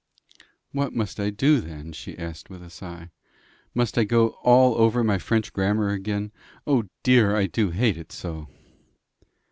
"What must I do then?" she asked with a sigh. "Must I go all over my French Grammar again? O dear! I do hate it so!"